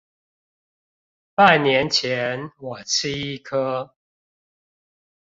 半年前我吃一顆